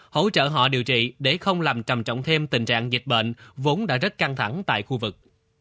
hỗ trợ họ điều trị để không làm trầm trọng thêm tình trạng dịch bệnh vốn đã rất căng thẳng tại khu vực